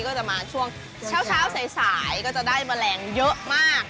ก็จะมาช่วงเช้าสายก็จะได้แมลงเยอะมาก